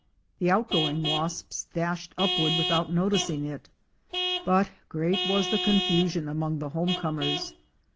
The outgoing wasps dashed upward without noticing it, but great was the confusion among the homecomers.